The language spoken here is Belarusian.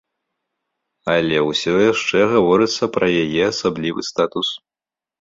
Але ўсё яшчэ гаворыцца пра яе асаблівы статус.